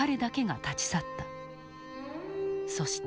そして。